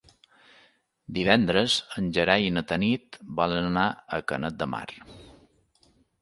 Divendres en Gerai i na Tanit volen anar a Canet de Mar.